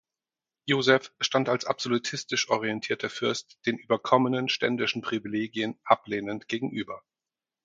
Joseph stand als absolutistisch orientierter Fürst den überkommenen ständischen Privilegien ablehnend gegenüber.